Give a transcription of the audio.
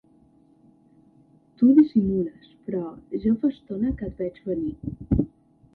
Tu dissimules, però ja fa estona que et veig venir!